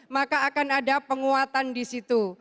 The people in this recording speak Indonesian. maka akan ada penguatan di situ